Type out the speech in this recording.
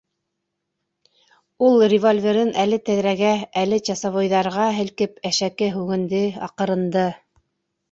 Ул револьверын әле тәҙрәгә, әле часовойҙарға һелкеп әшәке һүгенде, аҡырынды: